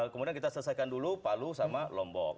kemudian kita selesaikan dulu palu sama lombok